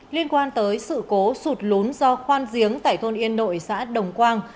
liên quan tới sự cố sụt lún do khoan giếng tại thôn yên nội xã đồng quang